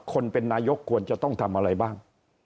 คนเป็นนายกควรจะต้องทำอะไรบ้าง